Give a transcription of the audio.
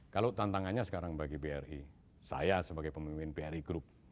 kalau tantangannya sekarang bagi bri saya sebagai pemimpin bri group